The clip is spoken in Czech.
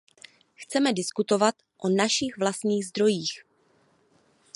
Chceme diskutovat o našich vlastních zdrojích.